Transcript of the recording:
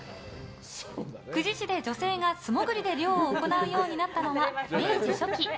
久慈市で女性が素潜りで漁を行うようになったのは明治初期。